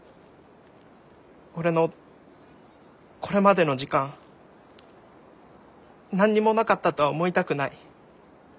俺のこれまでの時間何にもなかったとは思いたくない。